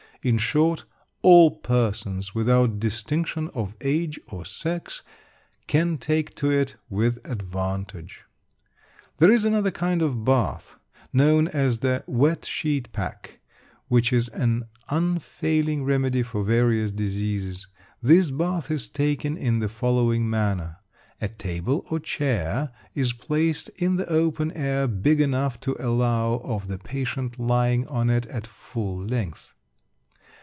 In short, all persons, without distinction of age or sex, can take to it with advantage. There is another kind of bath, known as the "Wet Sheet Pack", which is an unfailing remedy for various diseases. This bath is taken in the following manner. A table or chair is placed in the open air, big enough to allow of the patient lying on it at full length.